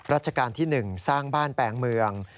ราชการที่๑สร้างบ้านแปลงเมือง